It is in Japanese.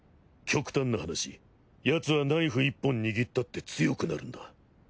極端な話ヤツはナイフ１本握ったって強くなるんだ。